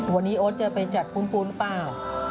วันนี้โอ๊ตจะไปจัดปูนเปล่า